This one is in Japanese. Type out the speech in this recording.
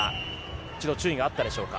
一度注意があったでしょうか。